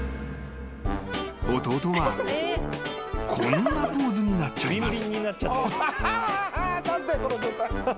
［弟はこんなポーズになっちゃいます］